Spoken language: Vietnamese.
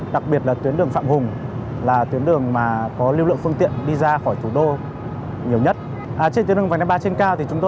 đặc biệt là tuyến đường phạm hùng là tuyến đường có lưu lượng phương tiện đi ra khỏi thủ đô